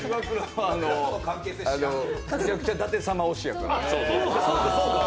むちゃくちゃ舘様推しだから。